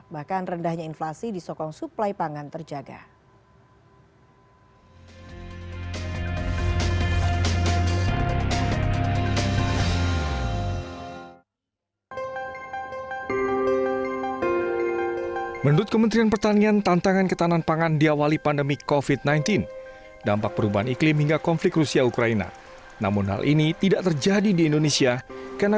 bahkan rendahnya inflasi disokong suplai pangan terjaga